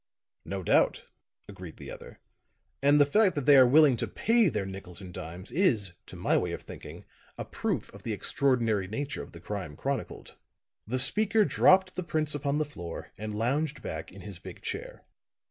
"No doubt," agreed the other. "And the fact that they are willing to pay their nickels and dimes is, to my way of thinking, a proof of the extraordinary nature of the crime chronicled." The speaker dropped the prints upon the floor and lounged back in his big chair.